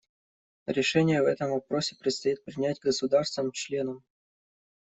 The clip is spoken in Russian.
Решение в этом вопросе предстоит принять государствам-членам.